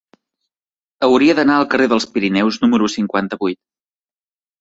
Hauria d'anar al carrer dels Pirineus número cinquanta-vuit.